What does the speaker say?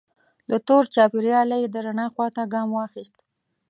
له تور چاپیریاله یې د رڼا خوا ته ګام واخیست.